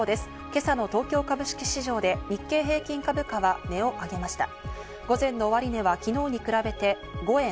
今朝の東京株式市場で日経平均株価は値を上げました。